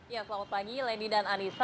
ya selamat pagi leni dan aniesa